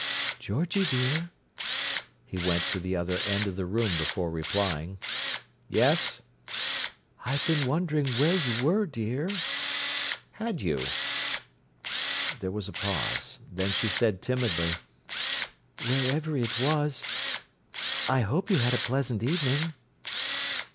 "Georgie, dear?" He went to the other end of the room before replying. "Yes?" "I'd been wondering where you were, dear." "Had you?" There was a pause; then she said timidly: "Wherever it was, I hope you had a pleasant evening."